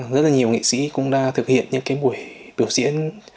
rất nhiều nghệ sĩ cũng đã thực hiện những buổi biểu diễn